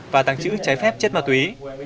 và tăng chữ trái phép chất ma túy